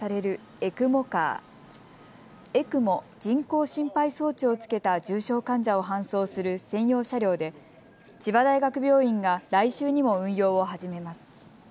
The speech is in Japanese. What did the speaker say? ＥＣＭＯ・人工心肺装置をつけた重症患者を搬送する専用車両で千葉大学病院が来週にも運用を始めます。